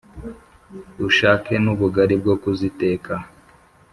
ushake n'ubugali bwo kuziteka